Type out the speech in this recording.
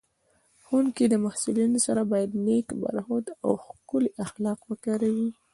ښوونکی د محصلینو سره باید نېک برخورد او ښکلي اخلاق وکاروي